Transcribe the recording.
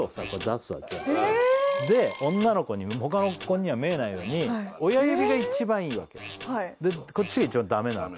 で女の子に他の子には見えないように親指が一番いいわけ。でこっちが一番ダメなわけ。